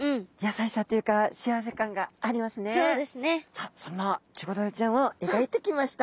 さあそんなチゴダラちゃんを描いてきました。